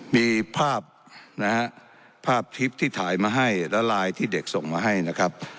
มีภาพนะฮะภาพคลิปที่ถ่ายมาให้และไลน์ที่เด็กส่งมาให้นะครับ